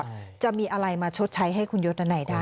เรื่องนี้มาตลอดจะมีอะไรมาชดใช้ให้คุณยศอันไหนได้